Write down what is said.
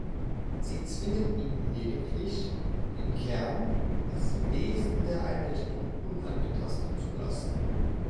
Sie zwingen ihn lediglich, den "Kern", das "Wesen" der Einrichtung unangetastet zu lassen.